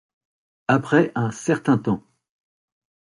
Après un certain temps.